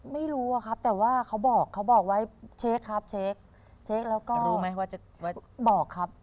ไม่รู้อะครับแต่ว่าเขาบอกไว้เช็คครับเช็คแล้วก็บอกครับ